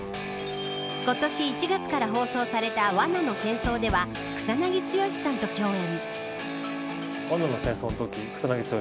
今年１月から放送された罠の戦争では草なぎ剛さんと共演。